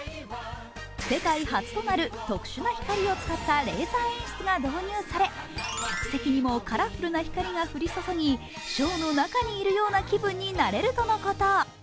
世界初となる特殊な光を使ったレーザー演出が導入され客席にもカラフルな光が降り注ぎ、ショーの中にいるような気分になれるとのこと。